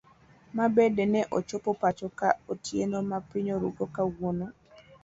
Mabende ne ochopo pacho ka otieno ma piny oruu go kawuono.